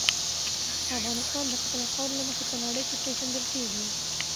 افغانستان د خپلې خاورې له مخې په نړۍ کې پېژندل کېږي.